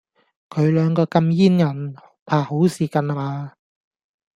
佢兩個咁煙韌，怕好事近啦嗎？